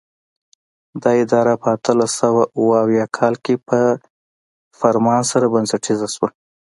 دا اداره په اتلس سوه اوه اویا کال کې په فرمان سره بنسټیزه شوه.